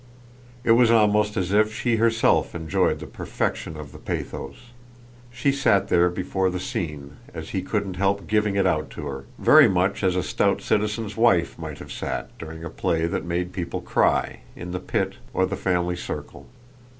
It was almost as if she herself enjoyed the perfection of the pathos; she sat there before the scene, as he couldn't help giving it out to her, very much as a stout citizen's wife might have sat, during a play that made people cry, in the pit or the family circle.